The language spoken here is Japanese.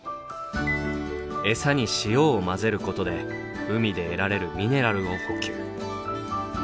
エサに塩を混ぜることで海で得られるミネラルを補給。